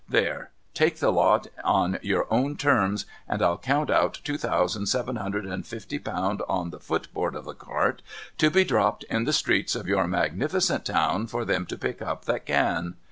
There ! Take the lot on your own terms, and I'll count out two thousand seven hundred and fifty pound on the foot board of the cart, to be dropped in the streets of your magnificent town for them to pick up that can.